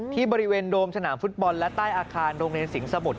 ที่บริเวณโดมสนามฟุตบอลและใต้อาคารโรงเรียนสิงสมุทร